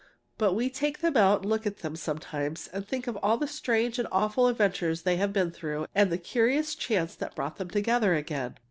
But we take them out and look at them sometimes and think of all the strange and awful adventures they've been through and the curious chance that brought them together again.